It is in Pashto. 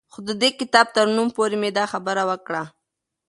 خو د دې کتاب تر نوم پورې مې دا خبره وکړه